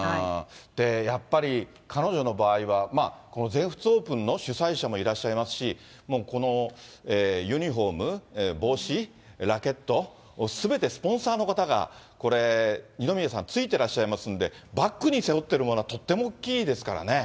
やっぱり彼女の場合は、この全仏オープンの主催者もいらっしゃいますし、このユニホーム、帽子、ラケット、すべてスポンサーの方がこれ、二宮さん、ついてらっしゃいますんで、バックに背負ってらっしゃるものって、とっても大きいですからね。